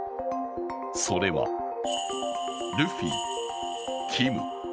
それはルフィ、キム。